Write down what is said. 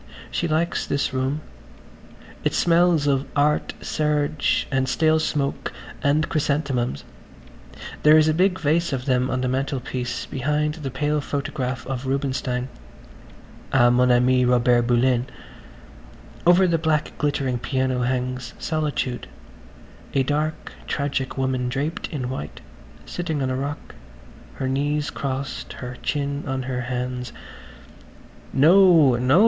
She likes this room. It smells of art serge and stale smoke and chrysanthemums ... there is a big vase of them on the mantelpiece behind the pale photograph of Rubinstein ... á mon ami Robert Bullen. .... Over the black glittering piano hangs "Solitude"–a dark tragic woman draped in white, sitting on a rock, her knees crossed, her chin on her hands. "No, no!"